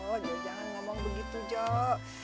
jok jok jangan ngomong begitu jok